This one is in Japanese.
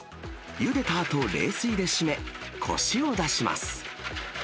ゆでたあと、冷水で締め、こしを出します。